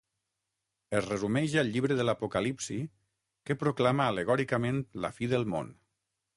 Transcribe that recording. Es resumeix al llibre de l'Apocalipsi que proclama al·legòricament la fi del món.